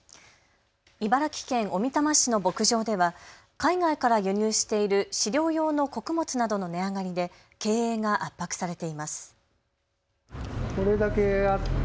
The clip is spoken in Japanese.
茨城県小美玉市の牧場では海外から輸入している飼料用の穀物などの値上がりで経営が圧迫されています。